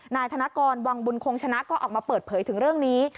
นายธนกรวังบุญคงชนะก็ออกมาเปิดเผยถึงเรื่องนี้